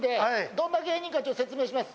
どんな芸人か説明します。